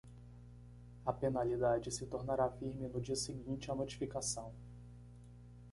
A penalidade se tornará firme no dia seguinte à notificação.